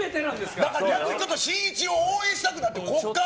だから逆に、ちょっとしんいちを応援したくなって、ここから。